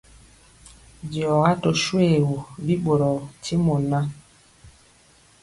Diɔga tö shoégu, bi ɓorɔɔ ntimɔ ŋan,